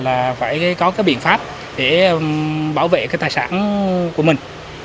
tại các shop house phải có biện pháp để bảo vệ tài sản của mình